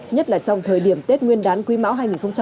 nhất là trong thời điểm tết nguyên đán quyên mão hai nghìn hai mươi ba